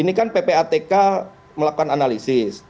ini kan ppatk melakukan analisis